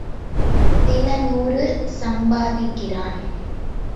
சில நூறு சம்பாதிக்கிறான்.